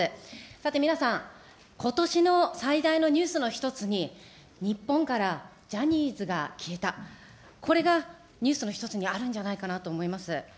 さて、皆さん、ことしの最大のニュースの一つに、日本からジャニーズが消えた、これがニュースの一つにあるんじゃないかなと思います。